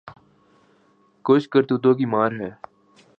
کچھ کرتوتوں کی مار ہے۔